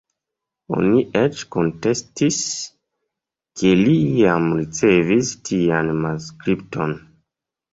Oni eĉ kontestis, ke li iam ricevis tian manuskripton.